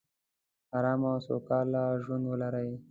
ارامه او سوکاله ژوندولري